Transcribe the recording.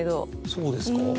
そうですか？